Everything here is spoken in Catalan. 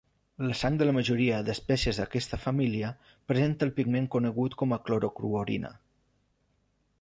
La sang de la majoria d’espècies d’aquesta família presenta el pigment conegut com a clorocruorina.